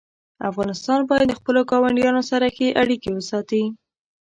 افغانستان باید د خپلو ګاونډیانو سره ښې اړیکې وساتي.